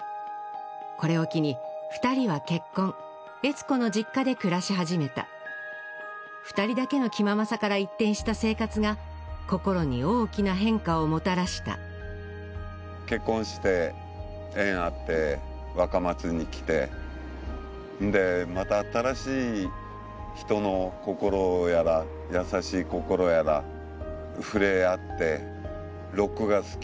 これを機に二人は結婚悦子の実家で暮らし始めた二人だけの気ままさから一転した生活が心に大きな変化をもたらした結婚して縁あって若松に来てでまた新しい人の心やら優しい心やら触れ合ってロックが好き